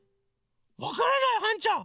わからないはんちゃん！